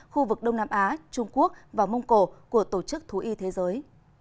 khu vực đông nam á trung quốc và mông cổ của tổ chức thú y thế giới